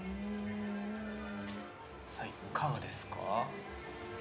◆さあ、いかがですか？